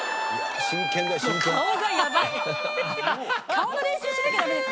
「顔の練習しなきゃダメですよね」